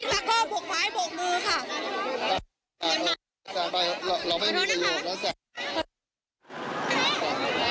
แล้วก็บกไม้บกมือค่ะอ่าเราไม่มีขอโทษนะค่ะ